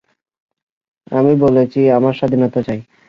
আমি বলেছি, আমার স্বাধীনতা চাই।